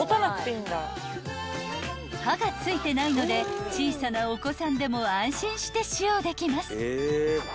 ［刃がついてないので小さなお子さんでも安心して使用できます］